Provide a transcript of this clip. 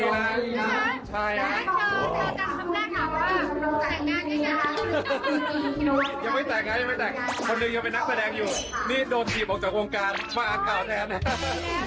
ยังไม่แต่งงานคนหนึ่งยังเป็นนักแสดงอยู่นี่โดดจีบออกจากวงการมาอาข่าวแทน